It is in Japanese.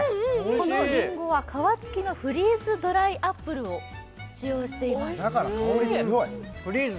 このりんご、皮つきのフリーズドライアップルを使用しています。